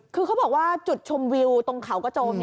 คือเขาบอกว่าจุดชมวิวตรงเขากระโจม